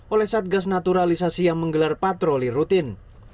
oleh satgas naturalisasi yang menggelar patroli rutin